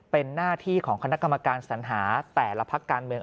เป็นหน้าที่ของคณะกรรมการสัญหาแต่ละพักการเมือง